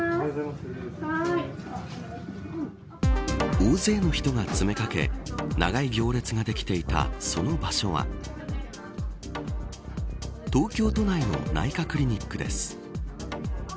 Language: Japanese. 大勢の人が詰めかけ長い行列ができていたその場所は東京都内の内科クリニックです。